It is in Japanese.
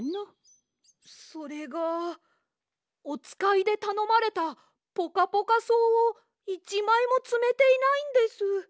それがおつかいでたのまれたポカポカそうをいちまいもつめていないんです。